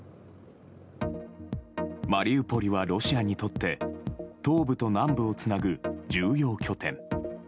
マリウポリはロシアにとって東部と南部をつなぐ重要拠点。